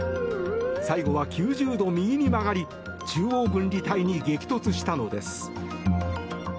最後は９０度右に曲がり中央分離帯に激突したのです。